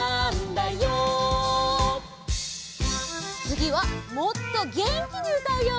つぎはもっとげんきにうたうよ！